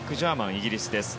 イギリスです。